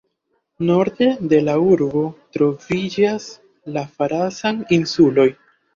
Norde de la urbo troviĝas la Farasan-insuloj.